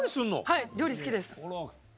はい料理好きです！